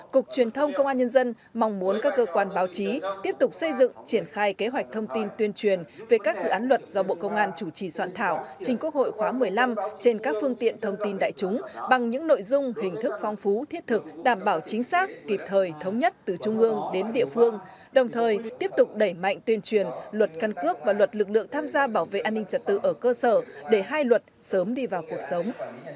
cục truyền thông công an nhân dân mong muốn các cơ quan báo chí tiếp tục xây dựng triển khai kế hoạch thông tin tuyên truyền về các dự án luật do bộ công an chủ trì soạn thảo trên quốc hội khóa một mươi năm trên các phương tiện thông tin đại chúng bằng những nội dung hình thức phong phú thiết thực đảm bảo chính xác kịp thời thống nhất từ trung ương đến địa phương đồng thời tiếp tục đẩy mạnh tuyên truyền luật căn cước và luật lực lượng tham gia bảo vệ an ninh trật tự ở cơ sở để hai luật sớm đi vào cuộc sống